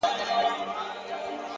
مړاوي یې سترگي ـ